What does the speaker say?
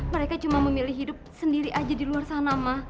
mereka cuma memilih hidup sendiri aja di luar sana mah